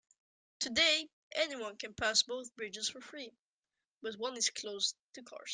Today, anyone can pass both bridges for free, but one is closed to cars.